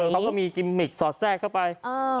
เขาก็มีกิมมิกสอดแทรกเข้าไป